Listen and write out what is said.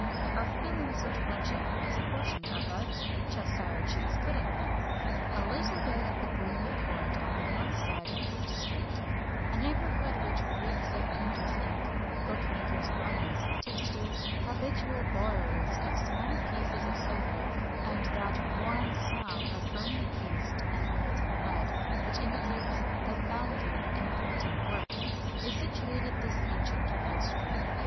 A "filling" sort of luncheon is a portion of a Cheshire Cheese Pudding. A little way up a gloomy court on the north side of Fleet Street a neighbourhood which reeks of printers' ink, bookmakers' "runners," tipsters, habitual borrowers of small pieces of silver, and that "warm" smell of burning paste and molten lead which indicates the "foundry" in a printing works is situated this ancient hostelry.